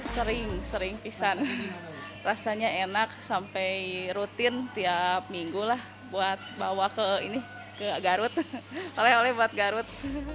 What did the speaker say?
sering sering pisang rasanya enak sampai rutin tiap minggu lah buat bawa ke garut